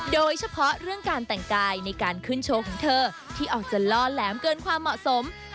โดยเฉพาะเรื่องการแต่งกายในการขึ้นโชว์ของเธอที่ออกจะล่อแหลมเกินความเหมาะสม